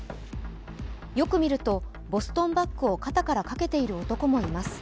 よく見るとボストンバッグを肩からかけている男もいます。